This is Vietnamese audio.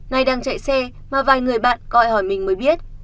nay đang chạy xe mà vài người bạn gọi hỏi mình mới biết